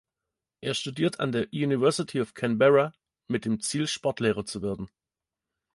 Er studiert an der University of Canberra mit dem Ziel, Sportlehrer zu werden.